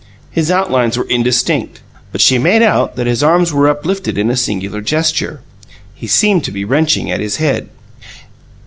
His outlines were indistinct, but she made out that his arms were, uplifted in a singular gesture. He seemed to be wrenching at his head.